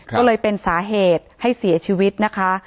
ก็เลยเป็นสาเหตุให้เสียชีวิตนะคะ